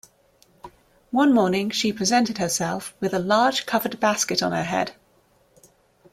One morning she presented herself with a large covered basket on her head.